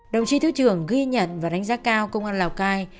đồng chí thứ trưởng ghi nhận và đánh giá cao công an lào cai